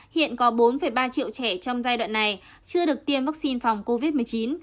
hiện có bốn ba triệu trẻ trong giai đoạn này chưa được tiêm vaccine phòng covid một mươi chín